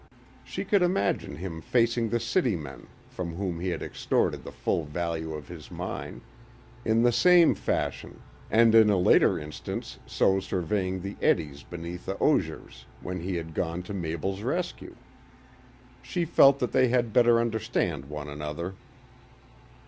She could imagine him facing the city men, from whom he had extorted the full value of his mine, in the same fashion, and in a later instance, so surveying the eddies beneath the osiers when he had gone to Mabel's rescue. She felt that they had better understand one another.